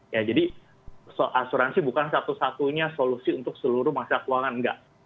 ya jadi asuransi bukan satu satunya solusi untuk seluruh masyarakat keuangan enggak